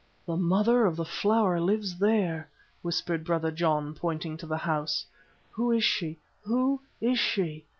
"The Mother of the Flower lives there," whispered Brother John, pointing to the house. "Who is she? Who is she?